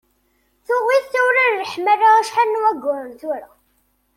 Tuɣ-it tawla n leḥmala acḥal n wagguren tura.